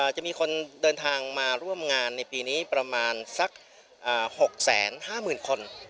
จะมีคนเดินทางมาร่วมงานในปีนี้ประมาณสัก๖๕๐๐๐คน